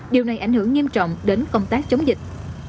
điều này ảnh hưởng nghiêm trọng đến công tác chống dịch